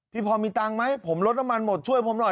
พอมีตังค์ไหมผมลดน้ำมันหมดช่วยผมหน่อย